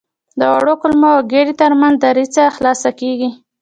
د وړو کولمو او ګیدې تر منځ دریڅه خلاصه کېږي.